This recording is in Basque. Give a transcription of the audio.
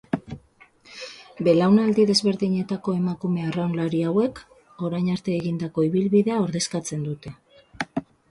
Belaunaldi desberdinetako emakume arraunlari hauek, orain arte egindako ibilbidea ordezkatzen dute.